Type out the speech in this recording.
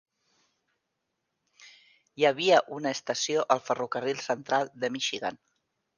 Hi havia una estació al Ferrocarril Central de Michigan.